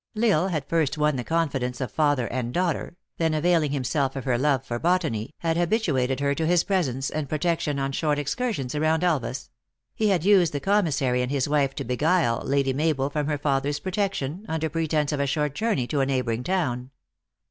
L Isle had first won the confidence of father and daughter ; then availing himself of her love for botany, had habituated her to his presence and pro tection on short excursions around Elvas ; he had used the commissary and his wife to beguile Lady Mabel from her father s protection, under pretence of a short journey to a neighboring town.